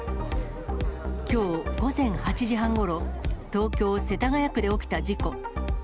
きょう午前８時半ごろ、東京・世田谷区で起きた事故。